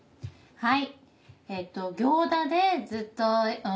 はい。